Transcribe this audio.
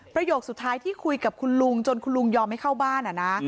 ประโยคสุดท้ายที่คุยกับคุณลุงจนคุณลุงยอมให้เข้าบ้าน